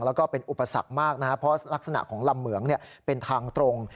แล้วก็เป็นอุปสรรคมากนะครับเพราะลักษณะของลำเหมืองเป็นทางตรง